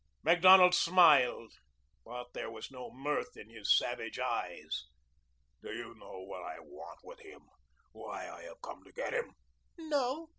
Macdonald smiled, but there was no mirth in his savage eyes. "Do you know what I want with him why I have come to get him?" "No."